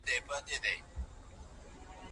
سرمایه داري د حرص نتیجه ده.